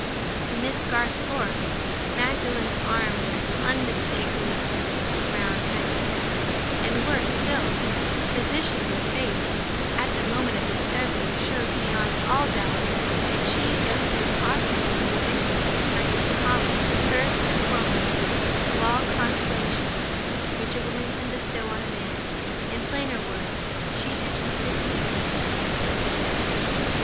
To Miss Garth's horror, Magdalen's arm was unmistakably round Frank's neck; and, worse still, the position of her face, at the moment of discovery, showed beyond all doubt that she had just been offering to the victim of Chinese commerce the first and foremost of all the consolations which a woman can bestow on a man. In plainer words, she had just given Frank a kiss.